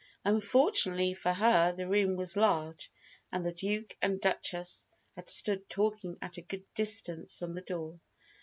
Unfortunately for her the room was large, and the Duke and Duchess had stood talking at a good distance from the door.